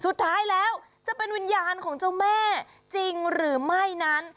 สุดท้ายแล้วจะเป็นวิญญาณของเจ้าแม่จริงหรือไม่นั้น